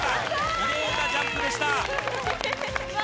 きれいなジャンプでした。